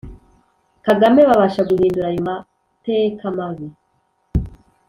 Kagame babasha guhindura ayo mateka mabi